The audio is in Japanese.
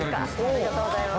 ◆ありがとうございます。